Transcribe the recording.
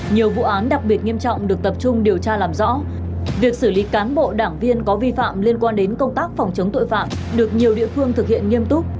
nhiều vụ án đặc biệt nghiêm trọng được tập trung điều tra làm rõ việc xử lý cán bộ đảng viên có vi phạm liên quan đến công tác phòng chống tội phạm được nhiều địa phương thực hiện nghiêm túc